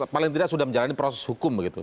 paling tidak sudah menjalani proses hukum begitu